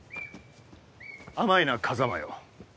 甘いな風真よ。